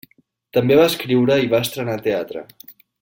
També va escriure i va estrenar teatre.